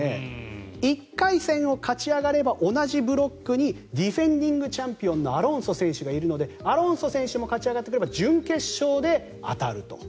１回戦を勝ち上がれば同じブロックにディフェンディングチャンピオンのアロンソ選手がいるのでアロンソ選手も勝ち上がってくると準決勝で当たると。